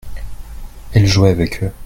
il jouait avec eux.